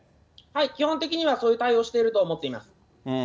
基本的にはそういう対応をしていると思っています。